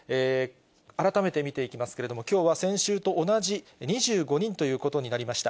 改めて見ていきますけれども、きょうは先週と同じ２５人ということになりました。